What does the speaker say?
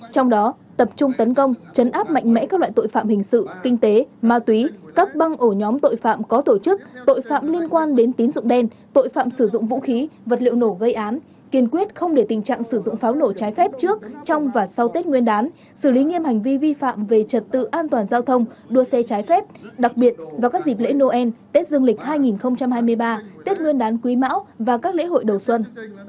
trong đó tập trung tấn công trấn áp mạnh mẽ các loại tội phạm hình sự kinh tế ma túy các băng ổ nhóm tội phạm có tổ chức tội phạm liên quan đến tín dụng đen tội phạm sử dụng vũ khí vật liệu nổ gây án kiên quyết không để tình trạng sử dụng pháo nổ trái phép trước trong và sau tết nguyên đán xử lý nghiêm hành vi vi phạm về trật tự an toàn giao thông đua xe trái phép đặc biệt vào các dịp lễ noel tết dương lịch hai nghìn hai mươi ba tết nguyên đán quý mão và các lễ hội đầu xuân